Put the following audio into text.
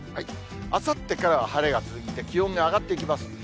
あさってからは晴れが続いて、気温が上がっていきます。